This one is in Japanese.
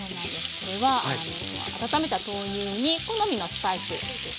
これは温めた豆乳に好みのスパイス。